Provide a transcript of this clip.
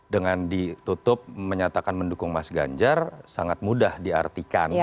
dengan ditutup menyatakan mendukung mas ganjar sangat mudah diartikan